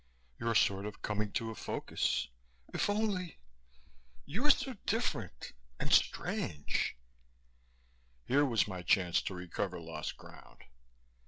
You're sort of coming to a focus. If only . You're so different and strange." Here was my chance to recover lost ground.